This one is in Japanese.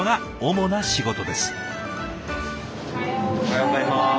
おはようございます。